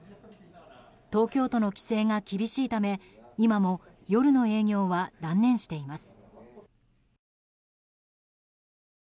東京都の規制が厳しいため今も夜の営業は断念しています。